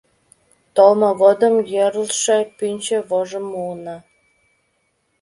— Толмо годым йӧрлшӧ пӱнчӧ вожым муынна.